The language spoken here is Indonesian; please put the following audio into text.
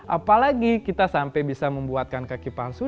apalagi kita sampai bisa membuatkan kaki palsu